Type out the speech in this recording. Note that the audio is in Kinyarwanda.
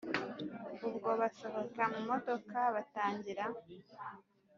ubwo basohoka mumodoka batangira